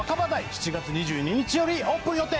７月２２日よりオープン予定。